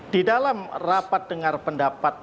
di dalam rapat dengar pendapat